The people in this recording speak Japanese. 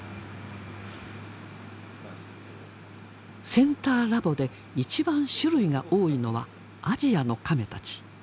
センターラボで一番種類が多いのはアジアのカメたち。